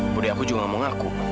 budi aku juga gak mau ngaku